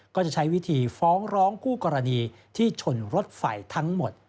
ก็จะใช้วิธีฟ้องร้องคู่กรณีที่ชนรถไฟทั้งหมด